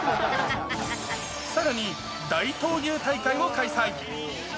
さらに、大闘牛大会も開催。